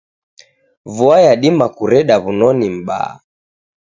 Vua yadima kureda wunoni m'baha.